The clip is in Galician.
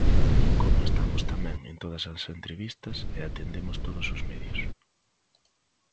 Como estamos tamén en todas as entrevistas e atendemos todos os medios.